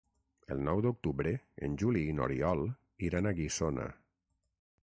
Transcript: El nou d'octubre en Juli i n'Oriol iran a Guissona.